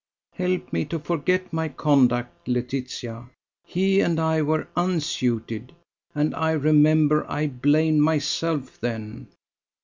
Help me to forget my conduct, Laetitia. He and I were unsuited and I remember I blamed myself then.